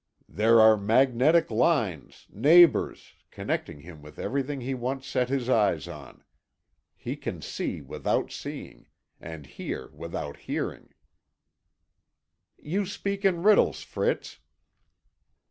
"There are magnetic lines, neighbours, connecting him with everything he once sets eyes on. He can see without seeing, and hear without hearing." "You speak in riddles, Fritz."